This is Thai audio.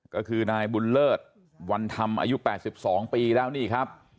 ก็คือนายบุญเลิศวันธรรมอายุ๘๒ปีแล้วนี่ครับ